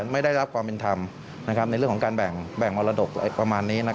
ไม่ได้รับความเป็นธรรมในเรื่องของการแบ่งมรดกประมาณนี้